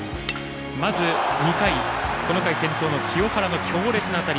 まず２回、この回先頭の清原の強烈な当たり。